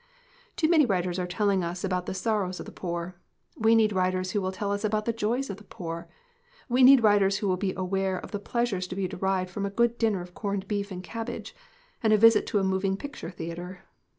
"Too many writers are telling us about the sorrows of the poor. We need writers who will tell us about the joys of the poor. We need writers who will be aware of the pleasures to be derived from a good dinner of corned beef and cabbage and a visit to a moving picture theater.